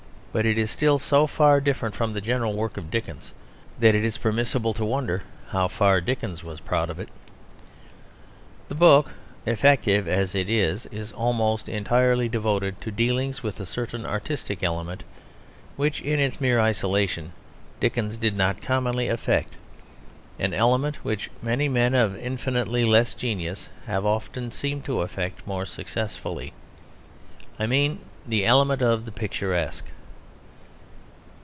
But it is still so far different from the general work of Dickens that it is permissible to wonder how far Dickens was proud of it. The book, effective as it is, is almost entirely devoted to dealings with a certain artistic element, which (in its mere isolation) Dickens did not commonly affect; an element which many men of infinitely less genius have often seemed to affect more successfully; I mean the element of the picturesque.